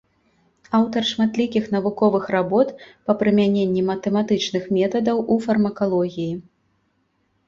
Аўтар шматлікіх навуковых работ па прымяненні матэматычных метадаў у фармакалогіі.